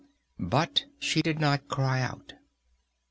But she did not cry out.